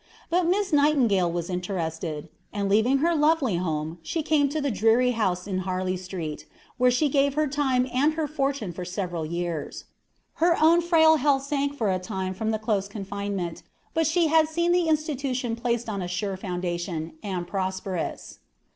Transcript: But Miss Nightingale was interested, and leaving her lovely home, she came to the dreary house in Harley Street, where she gave her time and her fortune for several years. Her own frail health sank for a time from the close confinement, but she had seen the institution placed on a sure foundation, and prosperous.